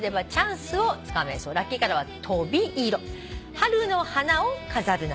「春の花を飾るなら」